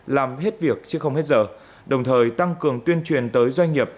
làm hết việc chứ không hết giờ đồng thời tăng cường tuyên truyền tới doanh nghiệp